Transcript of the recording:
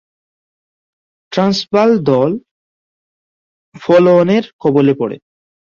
Transvaal দল ফলো-অনের কবলে পড়ে।